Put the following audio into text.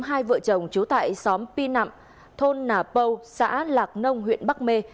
hai vợ chồng chú tại xóm pi nạm thôn nà pâu xã lạc nông huyện bắc mê